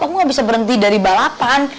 aku nggak bisa berhenti dari balapan